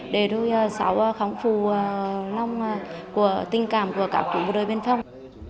để cháu khó khăn phù lòng tình cảm của các chủ bộ đối biên phòng